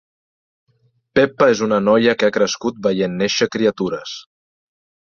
Pepa és una noia que ha crescut veient néixer criatures.